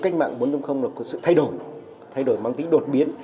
cách mạng bốn là có sự thay đổi thay đổi mang tính đột biến